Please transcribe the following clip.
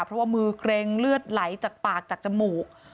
เพราะว่ามือเกร็งเลือดไหลจากปากจากจมูก